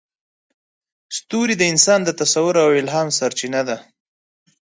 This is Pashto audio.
ستوري د انسان د تصور او الهام سرچینه ده.